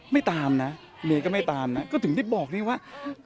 ไม่ตามนะเมย์ก็ไม่ตามนะก็ถึงได้บอกนี่ว่า